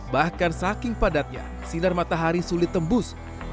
bahkan saking padatnya sinar matahari sulit tembus